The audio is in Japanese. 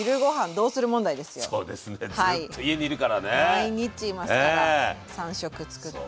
毎日いますから３食つくって。